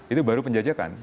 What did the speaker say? itu baru penjajakan